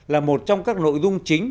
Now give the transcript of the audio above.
là một trong các nội dung chính